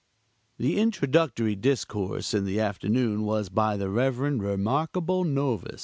The introductory discourse in the afternoon was by the Rev. Remarkable Novus.